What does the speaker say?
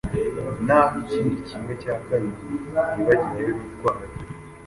Naho ikindi kimwe cya kabiri ntibagira ayo bitwaza